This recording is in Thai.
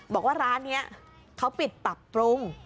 บอกว่าร้านนี้เขาปิดปรับปรุง